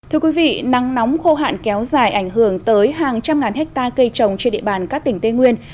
thưa quý vị nắng nóng khô hạn kéo dài ảnh hưởng tới hàng trăm ngàn hectare cây trồng trên địa bàn các tỉnh tây nguyên